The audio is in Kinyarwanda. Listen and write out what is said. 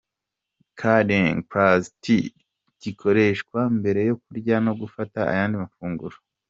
Kuding plus tea gikoreshwa mbere yo Kurya no gufata ayandi mafunguro.